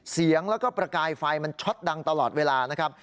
เสียงแล้วก็ประกายไฟมันช็อตดังตลอดเวลานะครับ